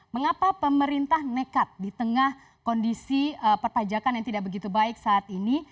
mengapa pemerintah nekat di tengah kondisi perpajakan yang tidak begitu baik saat ini